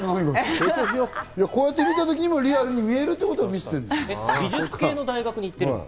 こうやって見たときにも、リアルに見えるってことを見せてるんです。